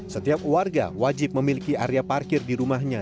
setiap warga wajib memiliki area parkir di rumahnya